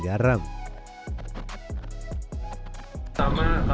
bumbu yang lebih tebal dan lebih tebal